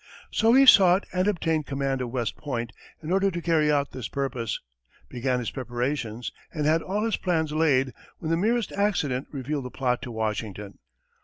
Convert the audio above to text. So he sought and obtained command of West Point in order to carry out this purpose, began his preparations, and had all his plans laid, when the merest accident revealed the plot to Washington.